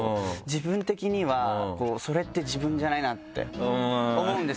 自分的にはそれって自分じゃないなって思うんですよ。